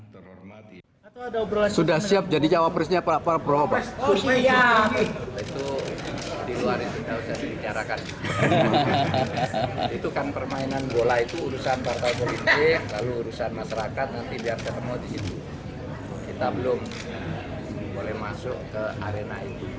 pertama itu urusan partai politik lalu urusan masyarakat nanti biar ketemu di situ kita belum boleh masuk ke arena itu